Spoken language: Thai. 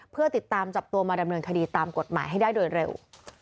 เพื่อติดตามจับตัวมาดำเนินคดีตามกฎหมายให้ได้โดยเร็ว